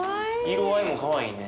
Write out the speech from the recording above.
色合いもかわいいね。